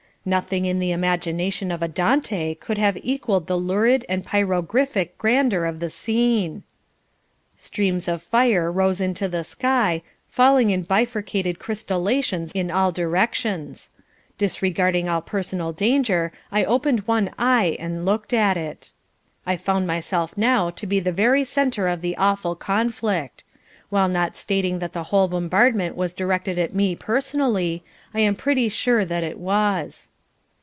"Nothing in the imagination of a Dante could have equalled the lurid and pyrogriffic grandeur of the scene. Streams of fire rose into the sky, falling in bifurcated crystallations in all directions. Disregarding all personal danger, I opened one eye and looked at it. "I found myself now to be the very centre of the awful conflict. While not stating that the whole bombardment was directed at me personally, I am pretty sure that it was."